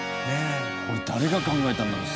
これ誰が考えたんだろう？